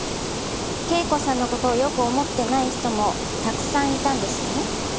圭子さんの事をよく思ってない人もたくさんいたんですよね？